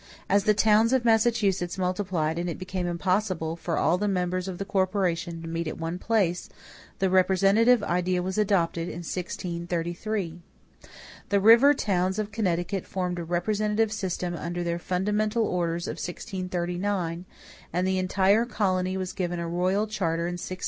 As the towns of Massachusetts multiplied and it became impossible for all the members of the corporation to meet at one place, the representative idea was adopted, in 1633. The river towns of Connecticut formed a representative system under their "Fundamental Orders" of 1639, and the entire colony was given a royal charter in 1662.